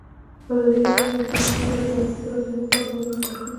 ازادي راډیو د بانکي نظام په اړه د ټولنیزو رسنیو غبرګونونه راټول کړي.